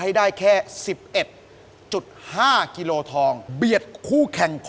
หมายเลข๕๐๐๐บาท